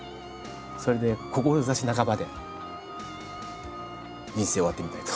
それで志半ばで人生終わってみたいと。